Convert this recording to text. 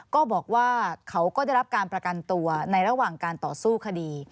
ก็บอกว่าเขาก็ได้รับการประกันตัวในระหว่างการต่อสู้คดี